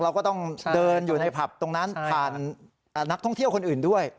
เราก็ต้องเดินอยู่ในผับตรงนั้นผ่านนักท่องเที่ยวคนอื่นด้วย